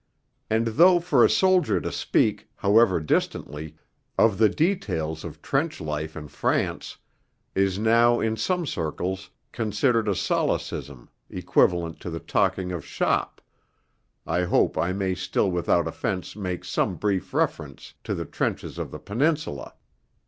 And though for a soldier to speak, however distantly, of the details of trench life in France, is now in some circles considered a solecism equivalent to the talking of 'shop,' I hope I may still without offence make some brief reference to the trenches of the Peninsula.